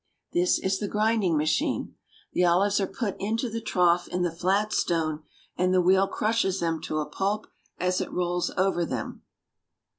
This is the grinding machine. The olives are put into the trough in the flat stone, and the wheel crushes them to a pulp as it rolls over them.